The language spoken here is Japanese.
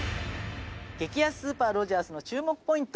激安スーパーロヂャースの注目ポイント。